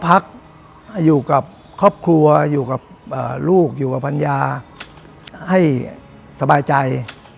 ลูกอยู่กับภัญญาให้สบายใจ